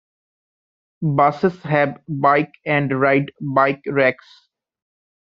Buses have "Bike and Ride" bike racks.